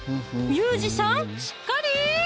ミュージシャンしっかり！